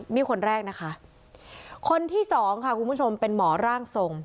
นี่คนแรกนะคะคนที่สองค่ะคุณผู้ชมเป็นหมอร่างทรง